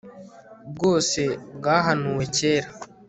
bwose bwahanuwe kera